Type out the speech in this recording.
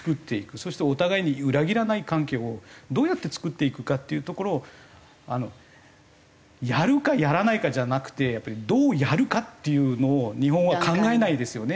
そしてお互いに裏切らない関係をどうやって作っていくかっていうところをやるかやらないかじゃなくてどうやるかっていうのを日本は考えないですよね。